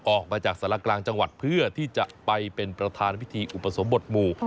ออกมาจากสารกลางจังหวัดเพื่อที่จะไปเป็นประธานพิธีอุปสมบทหมู่